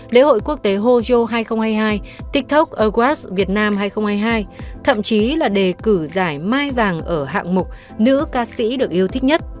lễ hội quốc tế ho hai nghìn hai mươi hai tiktok awards việt nam hai nghìn hai mươi hai thậm chí là đề cử giải mai vàng ở hạng mục nữ ca sĩ được yêu thích nhất